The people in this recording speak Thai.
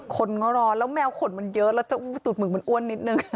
คนก็รอแล้วแมวขนมันเยอะแล้วตูดหมึกมันอ้วนนิดนึง